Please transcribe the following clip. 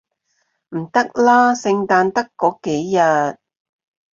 唔得啦，聖誕得嗰幾日